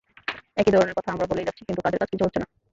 একই ধরনে কথা আমরা বলেই যাচ্ছি কিন্তু কাজের কাজ কিছু হচ্ছে না।